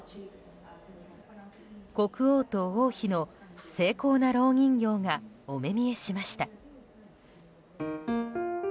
国王と王妃の精巧なろう人形がお目見えしました。